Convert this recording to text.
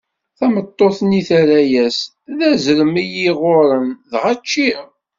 Tameṭṭut-nni terra-as: D azrem i yi-iɣurren, dɣa ččiɣ.